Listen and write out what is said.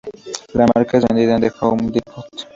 La marca es vendida en The Home Depot.